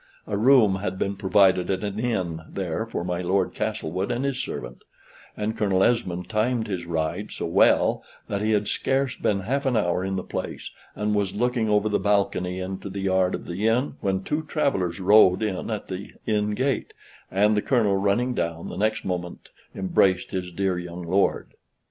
A room had been provided at an inn there for my Lord Castlewood and his servant; and Colonel Esmond timed his ride so well that he had scarce been half an hour in the place, and was looking over the balcony into the yard of the inn, when two travellers rode in at the inn gate, and the Colonel running down, the next moment embraced his dear young lord.